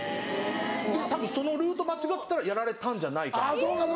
たぶんそのルート間違ってたらやられたんじゃないかなっていう。